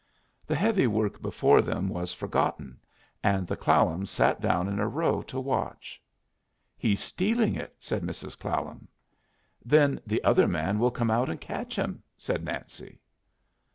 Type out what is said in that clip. The heavy work before them was forgotten, and the Clallams sat down in a row to watch. "He's stealing it," said Mrs. Clallam. "Then the other man will come out and catch him," said Nancy.